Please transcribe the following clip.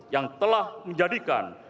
yang telah menjadikan